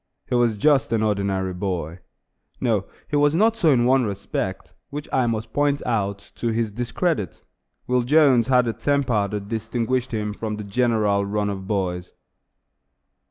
He was just an ordinary boy. No, he was not so in one respect, which I must point out, to his discredit. Will Jones had a temper that distinguished him from the general run of boys.